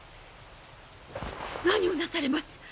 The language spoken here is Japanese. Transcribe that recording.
何をなされます！